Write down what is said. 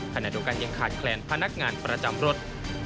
ขณะเดียวกันยังขาดแคลนพนักงานประจำรถ